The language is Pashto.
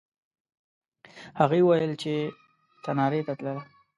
هغې وویل چې تنارې ته تلله.